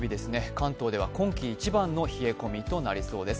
関東では今季一番の冷え込みとなりそうです。